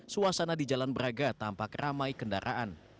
suasana di jalan braga tampak ramai kendaraan